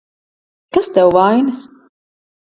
Kas tev vainas?